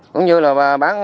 cũng như là bán